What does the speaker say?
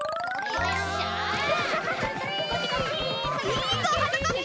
いいぞはなかっぱ！